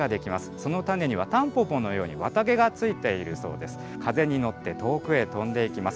その種にはたんぽぽのように綿毛がついているそうです。